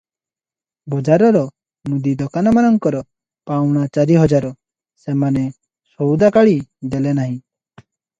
ବଜାରର ମୁଦି ଦୋକାନମାନଙ୍କର ପାଉଣା ଚାରିହଜାର, ସେମାନେ ସଉଦାକାଳି ଦେଲେ ନାହିଁ ।